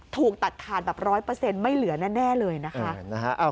ถูกตัดขาดแบบ๑๐๐ไม่เหลือแน่เลยนะคะ